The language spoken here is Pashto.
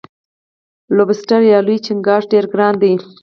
لوبسټر یا لوی چنګاښ ډیر ګران دی.